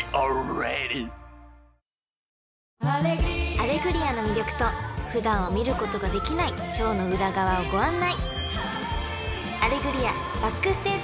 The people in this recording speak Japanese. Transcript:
［『アレグリア』の魅力と普段は見ることができないショーの裏側をご案内］